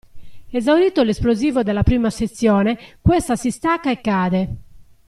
Esaurito l'esplosivo della prima sezione questa si stacca e cade.